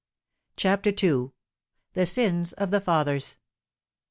CHAPTER IL THE SINS OF THE FATHERS.